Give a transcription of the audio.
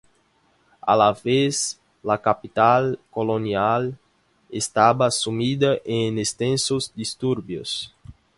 A la vez, la capital colonial estaba sumida en extensos disturbios.